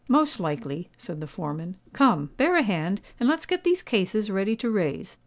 "Most likely," said the foreman: "come—bear a hand, and let's get these cases ready to raise.